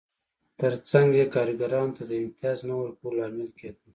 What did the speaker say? ترڅنګ یې کارګرانو ته د امتیاز نه ورکولو لامل کېده